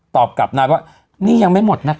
ตอบกลับนายว่านี่ยังไม่หมดนะ